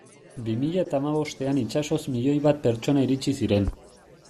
Bi mila eta hamabostean itsasoz milioi bat pertsona iritsi ziren.